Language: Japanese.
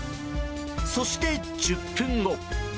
そして１０分後。